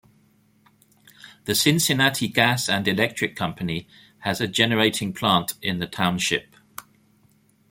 The Cincinnati Gas and Electric Company has a generating plant in the township.